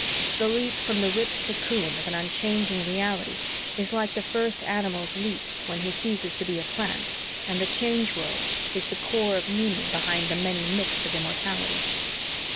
The leap from the ripped cocoon of an unchanging reality is like the first animal's leap when he ceases to be a plant, and the Change World is the core of meaning behind the many myths of immortality.